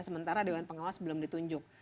sementara dewan pengawas belum ditunjuk